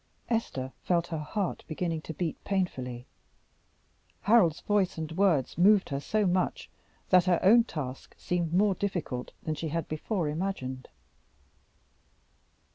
Esther felt her heart beginning to beat painfully. Harold's voice and words moved her so much that her own task seemed more difficult than she had before imagined.